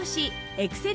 エクセル